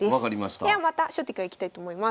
ではまた初手からいきたいと思います。